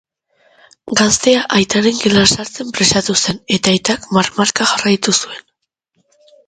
Gaztea aitaren gelan sartzen presatu zen eta aitak marmarka jarraitu zuen.